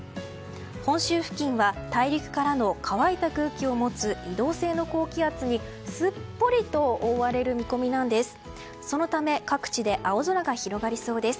本州付近は大陸からの乾いた空気を持つ移動性の高気圧にすっぽりと覆われる見込みなんです。